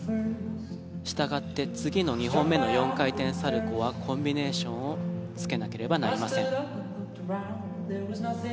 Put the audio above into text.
したがって次の２本目の４回転サルコウはコンビネーションをつけなければなりません。